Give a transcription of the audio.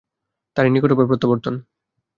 তারই নিকট হবে প্রত্যাবর্তন।